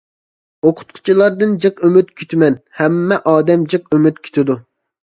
ئوقۇتقۇچىلاردىن جىق ئۈمىد كۈتىمەن، ھەممە ئادەم جىق ئۈمىد كۈتىدۇ.